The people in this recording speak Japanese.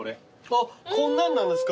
あっこんなんなんですか。